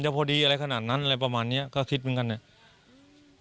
พอดีอะไรขนาดนั้นอะไรประมาณเนี้ยก็คิดเหมือนกันเนี่ย